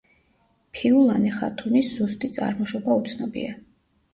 ფიულანე ხათუნის ზუსტი წარმოშობა უცნობია.